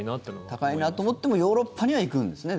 高いなと思ってもヨーロッパには行くんですね。